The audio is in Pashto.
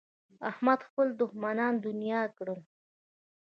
احمد خپل دوښمنان دڼيا کړل.